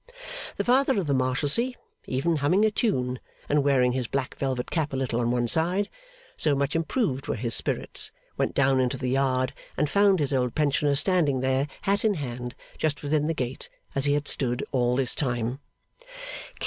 The Father of the Marshalsea, even humming a tune, and wearing his black velvet cap a little on one side, so much improved were his spirits, went down into the yard, and found his old pensioner standing there hat in hand just within the gate, as he had stood all this time.